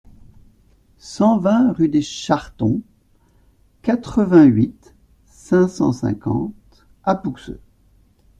cent vingt rue des Chartons, quatre-vingt-huit, cinq cent cinquante à Pouxeux